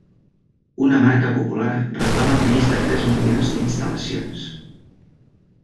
Una marca popular reclama més de tres milions d'instal·lacions.